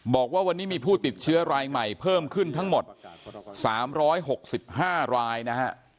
บอกว่าวันนี้มีผู้ติดเชื้อรายใหม่เพิ่มขึ้นทั้งหมด๓๖๕รายนะฮะ